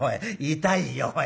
痛いよおい。